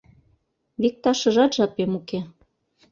— Викташыжат жапем уке.